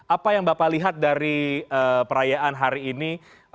apa yang bapak lihat dari perayaan hari ini